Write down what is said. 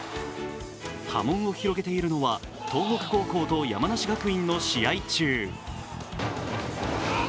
波紋を広げているのは東北高校と山梨学院の試合中